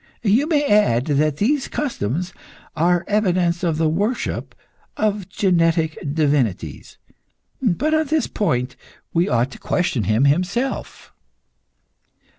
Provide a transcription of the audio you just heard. You may add that these customs are evidence of the worship of genetic divinities. But on this point we ought to question him himself."